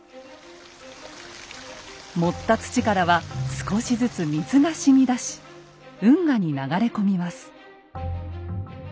盛った土からは少しずつ水がしみ出し運河に流れ込みます。